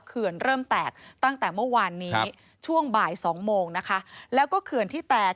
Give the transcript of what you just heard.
เขื่อนเริ่มแตกตั้งแต่เมื่อวานนี้ช่วงบ่ายสองโมงนะคะแล้วก็เขื่อนที่แตก